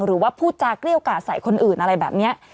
หรือว่าพูดจากเรียวก่าใส่คนอื่นอะไรแบบนี้